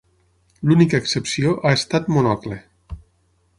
L'única excepció ha estat Monocle.